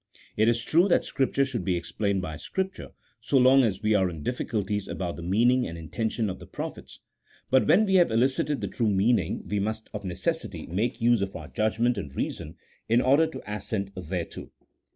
It is true that Scripture should be explained by Scripture, so long as we are in difficulties about the meaning and intention of the prophets, but when we have elicited the true meaning, we must of necessity make use of our judgment and reason in order to assent thereto.